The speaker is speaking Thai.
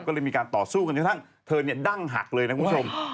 ก็เลยมีการต่อสู้กันจนกระทั่งเธอดั้งหักเลยนะคุณผู้ชม